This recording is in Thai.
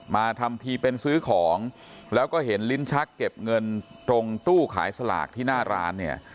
ทำทีเป็นซื้อของแล้วก็เห็นลิ้นชักเก็บเงินตรงตู้ขายสลากที่หน้าร้านเนี่ย